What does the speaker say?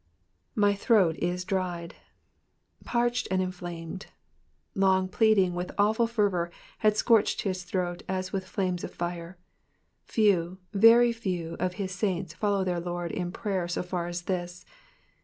''^My throat is dried,^^ parched, and inflamed. Long pleading with awful fervour had scorched his throat as with flames of fire. Pew, very few, of his saints follow their Lord in prayer so far as this.